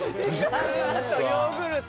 あとヨーグルト。